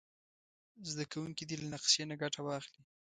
زده کوونکي دې له نقشې نه ګټه واخلي.